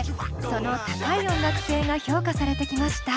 その高い音楽性が評価されてきました。